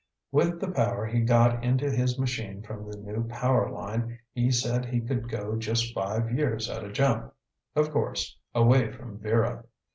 With the power he got into his machine from the new power line, he said he could go just five years at a jump. Of course, away from Vera.